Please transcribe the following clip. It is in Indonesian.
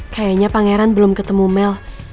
kayaknya pangeran belum ketemu mel